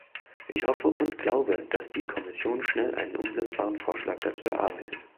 Ich hoffe und glaube, dass die Kommission schnell einen umsetzbaren Vorschlag dazu erarbeitet.